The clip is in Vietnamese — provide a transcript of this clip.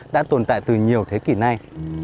đã tồn tại từ nhiều thế kỷ này